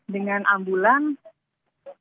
dan juga langsung diantar ke rumah